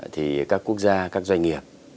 thì các quốc gia các doanh nghiệp